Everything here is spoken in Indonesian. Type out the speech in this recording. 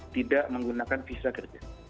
tidak menggunakan visa kerja